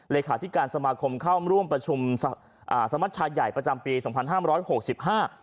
เลขาธิการสมาคมเข้าร่วมประชุมอ่าสมัชชายใหญ่ประจำปีสองพันห้ามร้อยหกสิบห้า